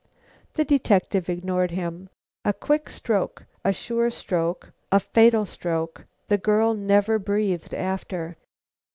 The detective ignored him. "A quick stroke, a sure stroke, a fatal stroke. The girl never breathed after."